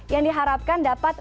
yang diharapkan dapat